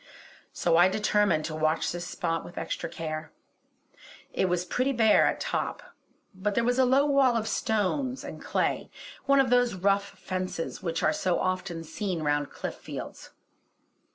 So I determined to watch this spot with extra care. It was pretty bare at top; but there was a low wall of stone and clay, one of those rough fences which are so often seen round cliff fields.